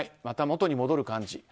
また元に戻る感じ。